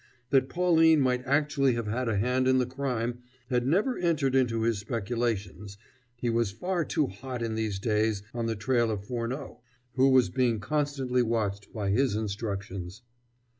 That Pauline might actually have had a hand in the crime had never entered into his speculations he was far too hot in these days on the trail of Furneaux, who was being constantly watched by his instructions.